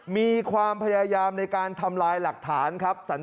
มีความพยายามในการทำลายหลักฐานครับ